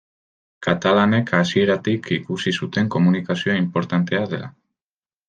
Katalanek hasieratik ikusi zuten komunikazioa inportantea dela.